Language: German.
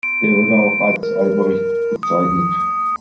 Er wird auch als Albrecht bezeichnet.